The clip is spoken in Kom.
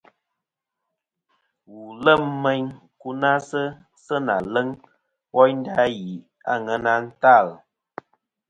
Wù lem meyn nkunasɨ sɨ na leŋ woynda ghì a aŋena ntal.